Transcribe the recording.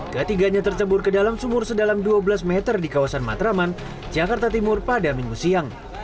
ketiganya tercebur ke dalam sumur sedalam dua belas meter di kawasan matraman jakarta timur pada minggu siang